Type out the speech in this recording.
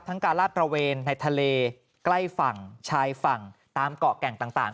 การลาดตระเวนในทะเลใกล้ฝั่งชายฝั่งตามเกาะแก่งต่าง